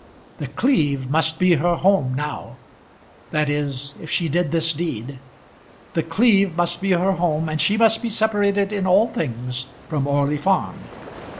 The Cleeve must be her home now that is, if she did this deed. The Cleeve must be her home, and she must be separated in all things from Orley Farm.